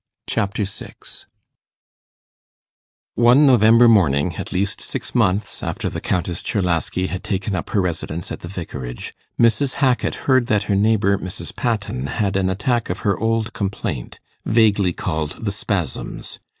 Chapter 6 One November morning, at least six months after the Countess Czerlaski had taken up her residence at the vicarage, Mrs. Hackit heard that her neighbour Mrs. Patten had an attack of her old complaint, vaguely called 'the spasms'.